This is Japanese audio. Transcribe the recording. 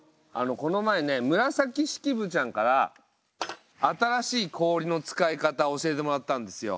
この前ね紫式部ちゃんから新しい氷の使い方教えてもらったんですよ。